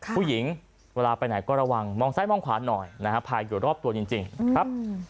ผู้หญิงเวลาไปไหนก็ระวังมองซ้ายมองขวาหน่อยนะฮะภายอยู่รอบตัวจริงครับ